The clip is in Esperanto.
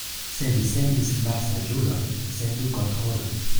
Se vi sendis malsaĝulon, sendu kontrolon.